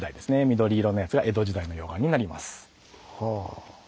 緑色のやつが江戸時代の溶岩になります。